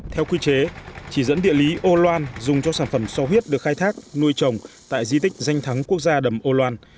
theo quy chế chỉ dẫn địa lý âu loan dùng cho sản phẩm so huyết được khai thác nuôi trồng tại di tích danh thắng quốc gia đầm âu loan